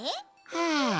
はあ